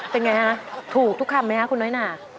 เป็นไงฮะถูกทุกคำไหมคะคุณน้อยหนา